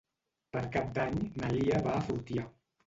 Per Cap d'Any na Lia va a Fortià.